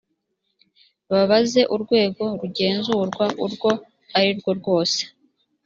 babaze urwego rugenzurwa urwo ari rwo rwose